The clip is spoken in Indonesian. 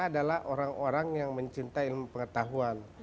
adalah orang orang yang mencintai ilmu pengetahuan